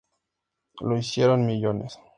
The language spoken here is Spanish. Lo hicieron millones.